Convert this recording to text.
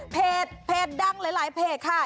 เพจดังหลายเพจค่ะ